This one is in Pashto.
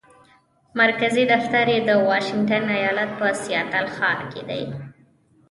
مرکزي دفتر یې د واشنګټن ایالت په سیاتل ښار کې دی.